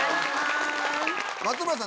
松村さん。